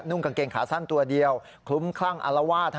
กางเกงขาสั้นตัวเดียวคลุ้มคลั่งอารวาส